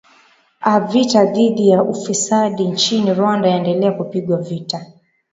a vita dhidi ya ufisadi nchini rwanda yaendelea kupigwa vita